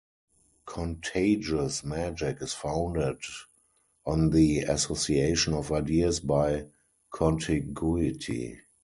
Contagious magic is founded on the association of ideas by contiguity.